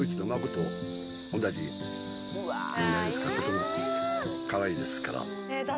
とてもかわいいですから。